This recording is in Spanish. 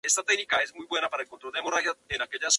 Rusia utilizó el misil en la Guerra de Chechenia.